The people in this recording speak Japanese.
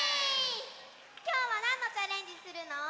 きょうはなんのチャレンジするの？